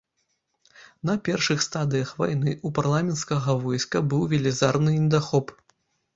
На першых стадыях вайны ў парламенцкага войска быў велізарны недахоп.